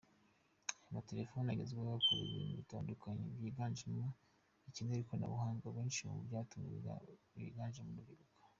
Aya matelefoni agezweho akora ibintu bitandukanye byiganjemo ibikenera ikoranabuhanga; abenshi mu bayatunze biganjemo urubyiruko.